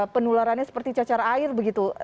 penularannya seperti cacar air begitu